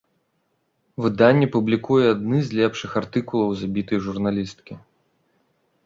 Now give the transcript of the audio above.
Выданне публікуе адны з лепшых артыкулаў забітай журналісткі.